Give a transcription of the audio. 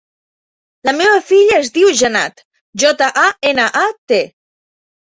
La meva filla es diu Janat: jota, a, ena, a, te.